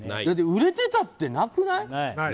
売れてたって、なくない？